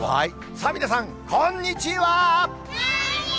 さあ皆さん、こんにちは。